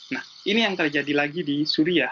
nah ini yang terjadi lagi di suria